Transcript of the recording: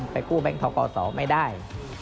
กู้แบงค์ทกศไม่ได้